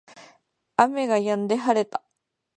雨が止んで晴れた